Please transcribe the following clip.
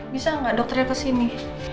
bisa gak dokternya kesini